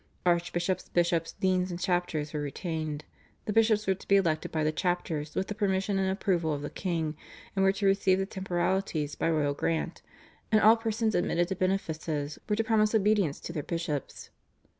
Archbishops, bishops, deans and chapters were retained; the bishops were to be elected by the chapters with the permission and approval of the king and were to receive the temporalities by royal grant; and all persons admitted to benefices were to promise obedience to their bishops.